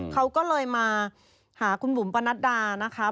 เขาก็เลยมาหาคุณบุ๋มปนัดดานะคะ